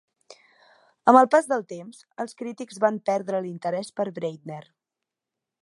Amb el pas del temps, els crítics van perdre l'interès per Breitner.